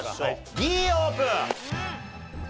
Ｄオープン！